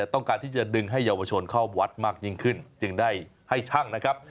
ต้องการที่จะดึงให้เยาวชนเข้าวัดมากยิ่งขึ้นจึงได้ให้ช่างนะครับ